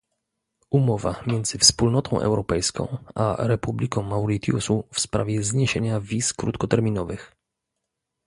Umowa między Wspólnotą Europejską a Republiką Mauritiusu w sprawie zniesienia wiz krótkoterminowych